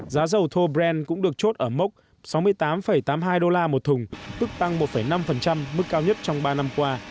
giá dầu thô brent cũng được chốt ở mốc sáu mươi tám tám mươi hai đô la một thùng tức tăng một năm mức cao nhất trong ba năm qua